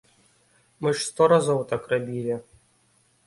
Мы ж сто разоў так рабілі.